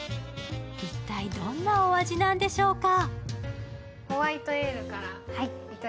一体、どんなお味なんでしょうか？